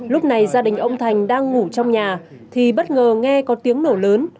lúc này gia đình ông thành đang ngủ trong nhà thì bất ngờ nghe có tiếng nổ lớn